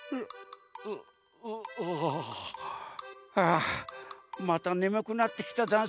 あまたねむくなってきたざんす。